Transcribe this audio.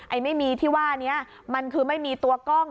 ไม่มีที่ว่านี้มันคือไม่มีตัวกล้อง